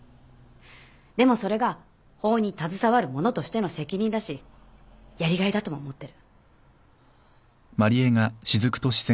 でもそれが法に携わる者としての責任だしやりがいだとも思ってる。